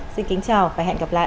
xin kính chào và hẹn gặp lại